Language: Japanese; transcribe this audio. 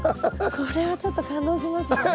これはちょっと感動しますね。